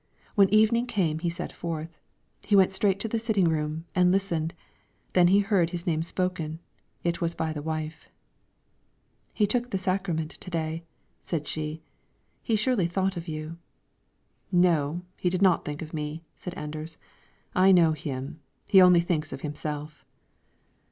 When evening came he set forth. He went straight to the sitting room door and listened, then he heard his name spoken; it was by the wife. "He took the sacrament to day," said she; "he surely thought of you." "No; he did not think of me," said Anders. "I know him; he thinks only of himself."